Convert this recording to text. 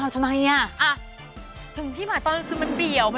ทำไมอ่ะถึงที่หมายตอนคือมันเบี่ยว